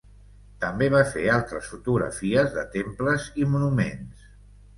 També va fer altres fotografies de temples i monuments.